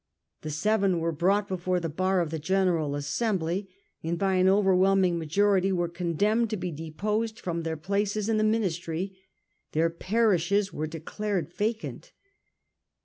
The seven were brought before the bar of the General Assembly, and by an overwhelming majority were condemned to be deposed from their places in the ministry. Their parishes were declared vacant.